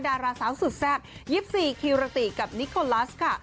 ดาราสาวสุดแซ่บ๒๔คิราติกับนิโคลัสค่ะ